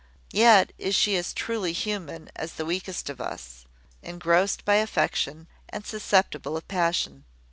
Yet is she as truly human as the weakest of us, engrossed by affection, and susceptible of passion.